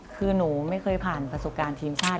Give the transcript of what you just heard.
คือหนูไม่เคยผ่านประสบการณ์ทีมชาติ